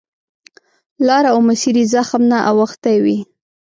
لار او مسیر یې زخم نه اوښتی وي.